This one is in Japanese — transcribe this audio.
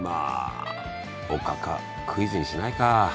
おかかクイズにしないか。